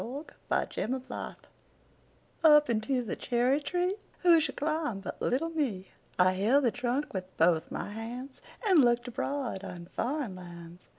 9. Foreign Lands UP into the cherry treeWho should climb but little me?I held the trunk with both my handsAnd looked abroad on foreign lands.